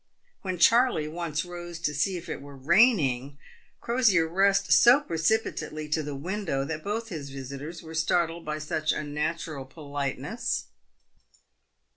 When Charley once rose to see if it were raining, Crosier rushed so precipitately to the window that both his visitors were startled by such unnatural politeness.